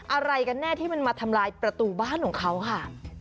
อะไรกันแน่ที่มันมาทำลายประตูบ้านของเขาค่ะ